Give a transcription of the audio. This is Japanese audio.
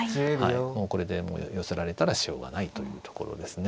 もうこれで寄せられたらしょうがないというところですね。